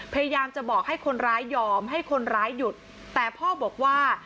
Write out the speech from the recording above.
พยายามจะบอกให้คนร้ายยอมให้คนร้ายหยุดแต่พ่อบอกว่า